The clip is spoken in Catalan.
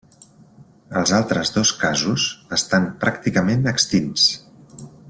Els altres dos casos estan pràcticament extints.